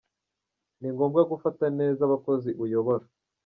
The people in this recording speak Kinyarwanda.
Ni ngombwa gufata neza abakozi uyobora.